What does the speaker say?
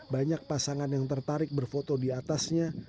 banyak pasangan yang tertarik berfoto di atasnya